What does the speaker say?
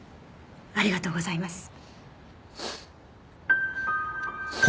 ありがとうございます。